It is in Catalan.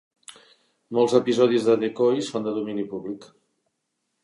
Molts episodis de "Decoy" són de domini públic.